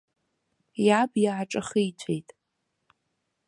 Иаб иааҿахиҵәеит.